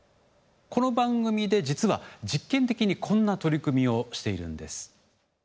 この番組で実は実験的にこんな取り組みをしているんです。